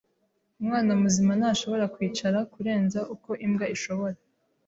Umwana muzima ntashobora kwicara kurenza uko imbwa ishobora.